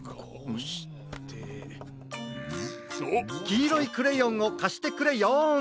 きいろいクレヨンをかしてくれよん。